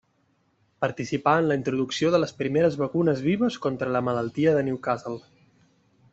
Participà en la introducció de les primeres vacunes vives contra la Malaltia de Newcastle.